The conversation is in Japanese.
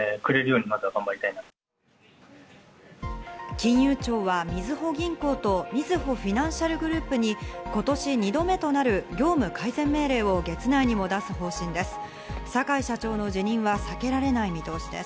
金融庁はみずほ銀行とみずほフィナンシャルグループに今年２度目となる業務改善命令を月内にも出す方針です。